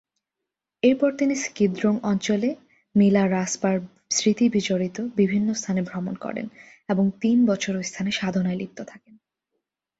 এরপর তিনি স্ক্যিদ-রোং অঞ্চলে মি-লা-রাস-পার স্মৃতি বিজড়িত বিভিন্ন স্থানে ভ্রমণ করেন এবং তিন বছর ঐ স্থানে সাধনায় লিপ্ত থাকেন।